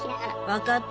分かった。